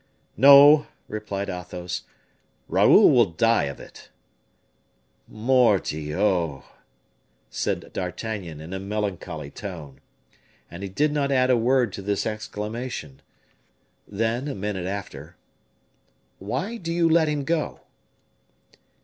"No," replied Athos, "Raoul will die of it." "Mordioux!" said D'Artagnan, in a melancholy tone. And he did not add a word to this exclamation. Then, a minute after, "Why do you let him go?"